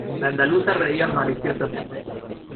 la andaluza reía maliciosamente: